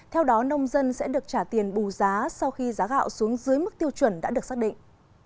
theo đó nông dân sẽ được trả tiền bù giá sau khi giá gạo xuống dưới mức tiêu chuẩn đã được xác định